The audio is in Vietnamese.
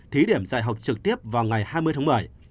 thí điểm dạy học trực tiếp vào ngày hai mươi tháng một mươi